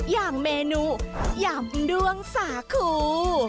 อย่างเมนูยำด้วงสาคู